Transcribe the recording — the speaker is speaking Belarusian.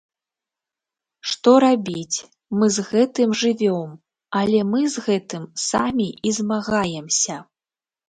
Што рабіць, мы з гэтым жывём, але мы з гэтым самі і змагаемся.